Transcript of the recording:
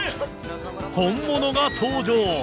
本物が登場！